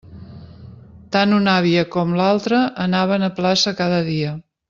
Tant una àvia com l'altra anaven a plaça cada dia.